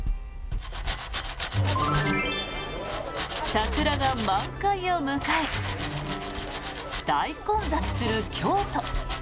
桜が満開を迎え大混雑する京都。